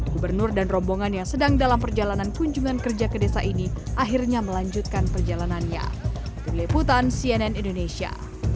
gubernur dan rombongan yang sedang dalam perjalanan kunjungan kerja ke desa ini akhirnya melanjutkan perjalanannya